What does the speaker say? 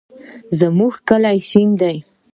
زمونږ کلی شین دی